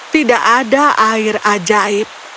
tidak ada air ajaib